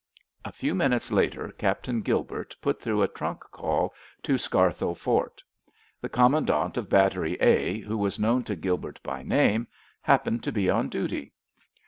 A few minutes later Captain Gilbert put through a trunk call to Scarthoe Fort. The commandant of Battery A, who was known to Gilbert by name, happened to be on duty.